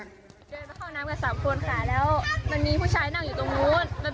เดินไปเข้าน้ำกันสามคนค่ะแล้วมันมีผู้ชายนั่งอยู่ตรงนู้น